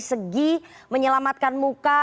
segi menyelamatkan muka